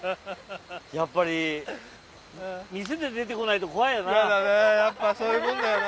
やっぱり店で出てこないと怖いよな。